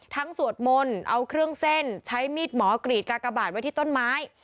สวดมนต์เอาเครื่องเส้นใช้มีดหมอกรีดกากบาทไว้ที่ต้นไม้